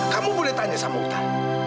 kamu boleh tanya sama hutan